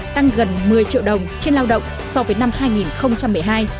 tăng gần một mươi triệu đồng trên lao động so với năm hai nghìn một mươi hai